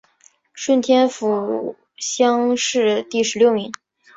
顺天府乡试第十六名。